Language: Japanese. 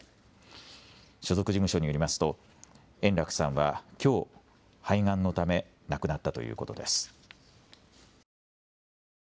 所属事務所によりますと円楽さんはきょう肺がんのため亡くなったということです。